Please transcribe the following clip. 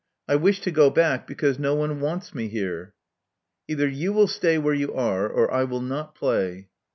I wish to go back because no one wants me here." ••Either you will stay where you are, or I will not play."